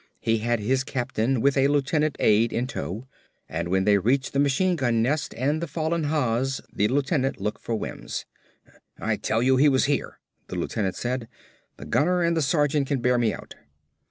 He had his captain with a lieutenant aide in tow and when they reached the machine gun nest and the fallen Haas the lieutenant looked for Wims. "I tell you he was here," the lieutenant said. "The gunner and the sergeant can bear me out."